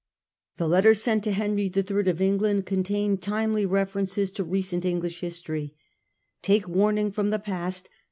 The letter sent to Henry III of England contained timely references to recent English history. " Take warning from the past.